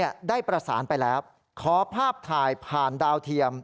ได้ประสานไปแล้วขอภาพถ่ายผ่านดาวเทียม